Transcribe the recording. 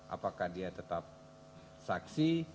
apakah dia tetap saksi